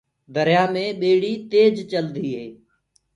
دريآ مينٚ ٻيڙي تيج چلدو هي۔